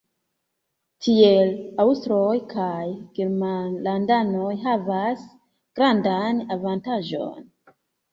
Tiel aŭstroj kaj germanlandanoj havas grandan avantaĝon.